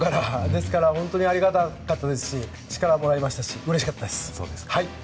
ですから本当にありがたかったですし力をもらいましたしうれしかったです。